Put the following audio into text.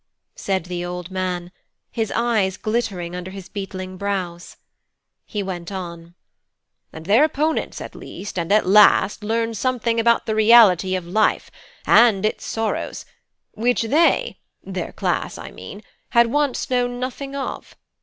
said the old man, his eyes glittering under his beetling brows. He went on: "And their opponents at least and at last learned something about the reality of life, and its sorrows, which they their class, I mean had once known nothing of.